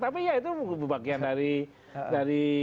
tapi ya itu bagian dari